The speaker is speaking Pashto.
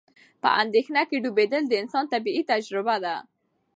په اندېښنه کې ډوبېدل د انسانانو طبیعي تجربه ده.